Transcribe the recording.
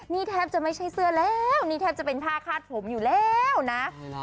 นี่แทบจะไม่ใช่เสื้อแล้วนี่แทบจะเป็นผ้าคาดผมอยู่แล้วนะ